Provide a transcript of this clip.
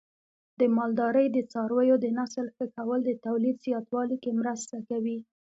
د مالدارۍ د څارویو د نسل ښه کول د تولید زیاتوالي کې مرسته کوي.